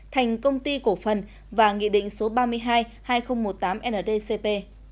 thành công ty cổ phần và nghị định số ba mươi hai hai nghìn một mươi tám ndcp